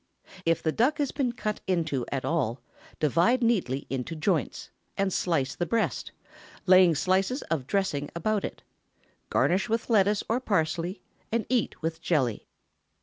If the duck has been cut into at all, divide neatly into joints, and slice the breast, laying slices of dressing about it. Garnish with lettuce or parsley, and eat with jelly.